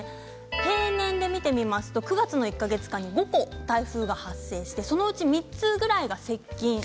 平年で見てみますと９月の１か月間に５個台風が発生してそのうち３つぐらいが接近。